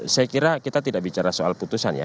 saya kira kita tidak bicara soal putusan ya